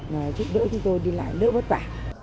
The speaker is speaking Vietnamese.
giúp đỡ chúng tôi đi lại đỡ bất tỏa